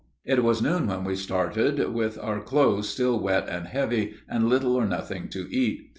It was noon when we started, with our clothes still wet and heavy, and little or nothing to eat.